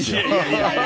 いやいや。